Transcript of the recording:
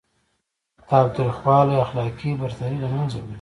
تاوتریخوالی اخلاقي برتري له منځه وړي.